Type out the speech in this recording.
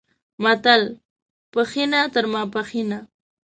متل، پښینه تر ماپښینه